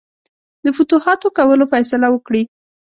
د فتوحاتو کولو فیصله وکړي.